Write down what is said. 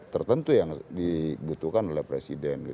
tertentu yang dibutuhkan oleh presiden